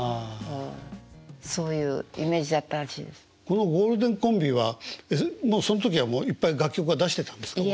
このゴールデンコンビはもうその時はいっぱい楽曲は出してたんですか？